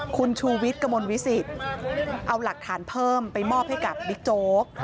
คุณชูวิทย์กระมวลวิสิตเอาหลักฐานเพิ่มไปมอบให้กับบิ๊กโจ๊ก